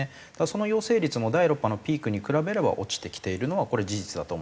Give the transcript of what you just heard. その陽性率も第６波のピークに比べれば落ちてきているのはこれ事実だと思います。